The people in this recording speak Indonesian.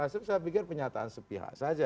asal saya pikir pernyataan sepihak saja